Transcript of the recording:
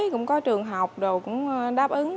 cũng có trường học đáp ứng